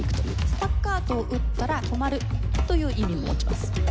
スタッカートを打ったら「止まる」という意味も持ちます。